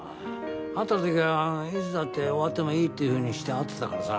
会った時はいつだって終わってもいいっていうふうにして会ってたからさ。